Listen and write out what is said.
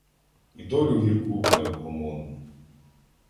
І долю гірку, невгомонну